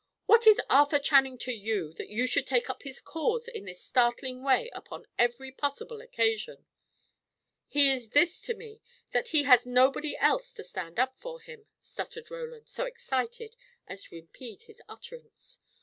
"What is Arthur Channing to you, that you should take up his cause in this startling way upon every possible occasion?" "He is this to me that he has nobody else to stand up for him," stuttered Roland, so excited as to impede his utterance.